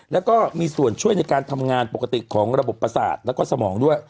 แล้วก็มีส่วนช่วยในการทำงานปกติของระบบประสาทแล้วก็สมองด้วย